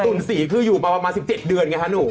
ก็คือตุ่น๔คืออยู่มาประมาณ๑๗เดือนไงคะหนู